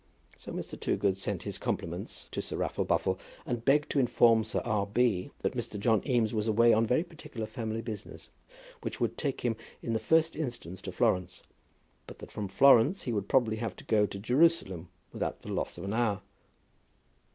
So Mr. Toogood sent his compliments to Sir Raffle Buffle, and begged to inform Sir R. B. that Mr. John Eames was away on very particular family business, which would take him in the first instance to Florence; but that from Florence he would probably have to go on to Jerusalem without the loss of an hour.